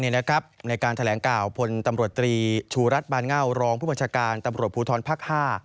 ขณะเดียวกันในการแถลงกล่าวผลตำรวจตรีชูรัฐบานเง่ารองผู้บัญชาการตำรวจภูทรภักดิ์๕